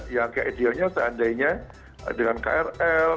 yang kayak idealnya seandainya dengan krl